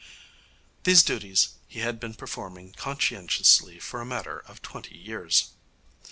These duties he had been performing conscientiously for a matter of twenty years.